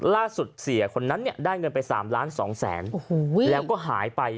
ล่าสุดเสียคนนั้นเนี่ยได้เงินไป๓๒๐๐๐๐๐บาทแล้วก็หายไป